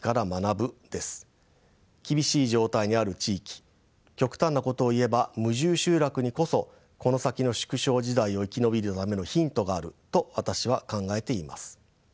厳しい状態にある地域極端なことを言えば無住集落にこそこの先の縮小時代を生き延びるためのヒントがあると私は考えています。